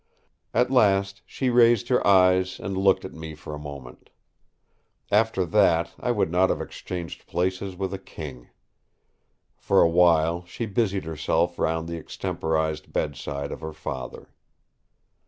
At last she raised her eyes and looked at me for a moment; after that I would not have exchanged places with a king. For a while she busied herself round the extemporised bedside of her father.